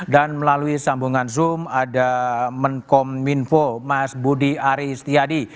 dan melalui sambungan zoom ada menkom minfo mas budi ari setiadi